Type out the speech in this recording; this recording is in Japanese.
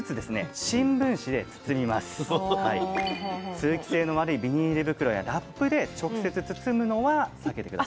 通気性の悪いビニール袋やラップで直接包むのは避けて下さい。